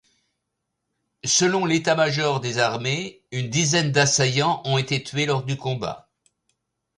Selon l'état-major des armées, une dizaine d'assaillants ont été tués lors du combat.